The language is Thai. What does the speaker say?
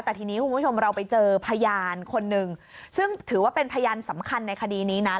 แต่ทีนี้คุณผู้ชมเราไปเจอพยานคนหนึ่งซึ่งถือว่าเป็นพยานสำคัญในคดีนี้นะ